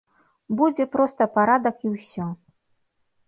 Будзе проста парадак і ўсё.